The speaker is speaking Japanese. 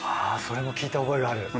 ああそれも聞いた覚えがある。